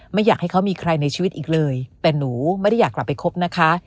ไม่อยากให้เขามีใครในชีวิตอีกเลยแต่หนูไม่ได้อยากกลับไปคบนะคะ